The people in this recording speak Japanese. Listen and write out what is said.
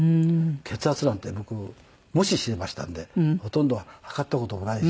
血圧なんて僕無視していましたんでほとんど測った事もないし。